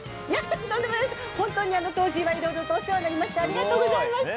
とんでもないです、本当にあの当時はいろいろとお世話になりました、ありがとうございました。